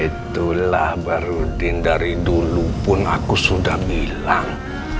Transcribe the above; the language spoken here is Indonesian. itulah barudin dari dulu pun aku sudah bilang